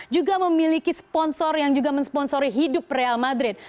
juga memiliki sponsor yang juga mensponsori hidup real madrid